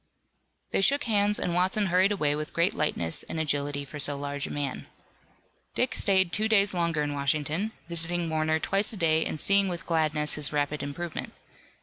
They shook hands and Watson hurried away with great lightness and agility for so large a man. Dick stayed two days longer in Washington, visiting Warner twice a day and seeing with gladness his rapid improvement.